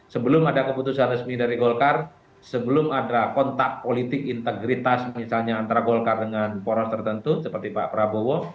sebelum ada keputusan resmi dari golkar sebelum ada kontak politik integritas misalnya antara golkar dengan poros tertentu seperti pak prabowo